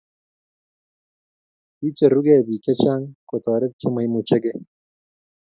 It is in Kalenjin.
kicherugei biik che chang' kotoret che maimuchigei